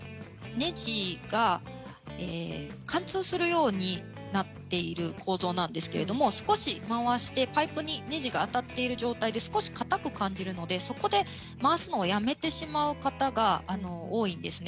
ねじが貫通するようになっている構造なんですけれど少し回してパイプにねじが当たっている状態で少しかたく感じるのでそこで回すのをやめてしまう方が多いんです。